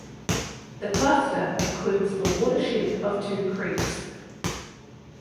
The cluster includes the watershed of two creeks.